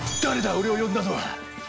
俺を呼んだのは。